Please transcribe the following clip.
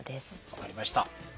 分かりました。